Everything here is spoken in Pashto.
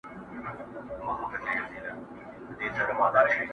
چي د توپان په زړه کي څو سېلۍ د زور پاته دي؛